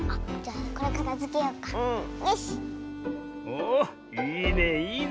おいいねいいね。